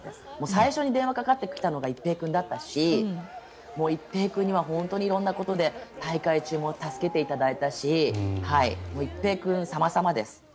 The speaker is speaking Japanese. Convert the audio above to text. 最初に電話がかかってきたのは一平君だったし一平君には本当に色んなことで大会中にも助けていただいたし一平君さまさまです。